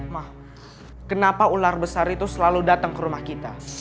mah kenapa ular besar itu selalu datang ke rumah kita